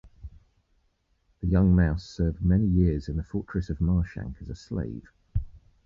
The young mouse served many years in the fortress of Marshank as a slave.